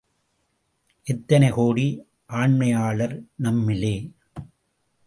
எத்தனை கோடி ஆண்மையாளர், நம்மிலே!